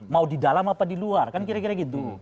mau di dalam apa di luar kan kira kira gitu